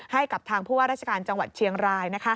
ให้กับทางผู้ว่าราชการจังหวัดเชียงราย